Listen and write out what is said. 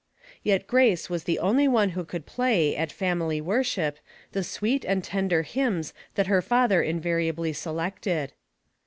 Yet Grace was the only one who could play, at family worship, the sweet and tender hymns tluit her father invariably selected.